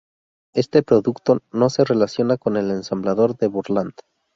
Este producto no se relaciona con el ensamblador de Borland.